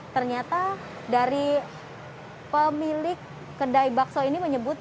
ternyata dari pemilik kedai bakso ini menyebut